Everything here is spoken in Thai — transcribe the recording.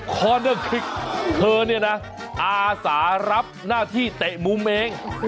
ข้อเลือกคือเธอเนี่ยนะอาสารับหน้าที่เตะบุ้มเอง